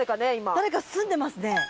誰か住んでますね。